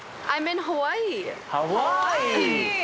ハワイ！